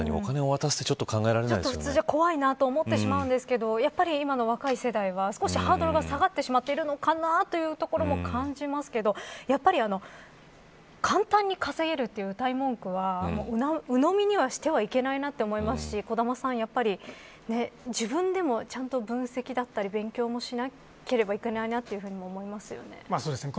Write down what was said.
私はちょっと怖いなと思ってしまうんですが今の若い世代は少しハードルが下がってしまうのかなというところも感じますけどやっぱり、簡単に稼げるといううたい文句は鵜呑みにはしてはいけないなと思いますし小玉さん、やっぱり自分でもちゃんと分析だったり勉強もしなければいけないなというふうに思いますよね。